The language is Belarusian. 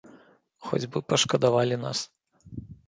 Хоць бы пашкадавалі нас.